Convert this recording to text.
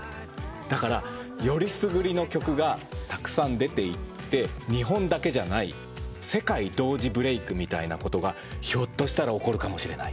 だからよりすぐりの曲がたくさん出ていって日本だけじゃない世界同時ブレークみたいなことがひょっとしたら起こるかもしれない。